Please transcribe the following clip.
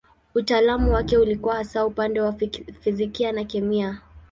Utaalamu wake ulikuwa hasa upande wa fizikia na kemia.